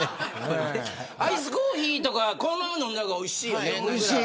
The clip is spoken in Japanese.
アイスコーヒーとかこのまま飲んだ方がおいしいよね。